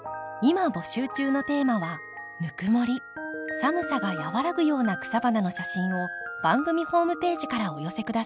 寒さが和らぐような草花の写真を番組ホームページからお寄せ下さい。